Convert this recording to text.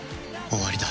終わりだ。